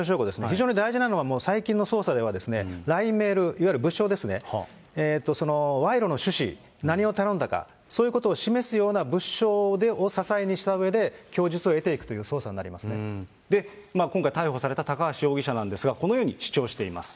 非常に大事なのは、最近の捜査では、ＬＩＮＥ、メール、いわゆる物証ですね、賄賂の趣旨、何を頼んだか、そういうことを示すような物証を支えにしたうえで供述を得ていく今回逮捕された高橋容疑者なんですが、このように主張しています。